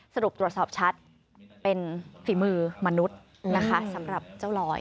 สรุปตรวจสอบชัดเป็นฝีมือมนุษย์นะคะสำหรับเจ้าลอย